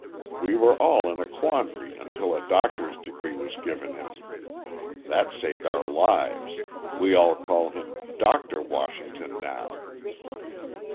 We were all in a quandary until a doctor's degree was given him. That saved our lives! we all call him 'Dr.' Washington now."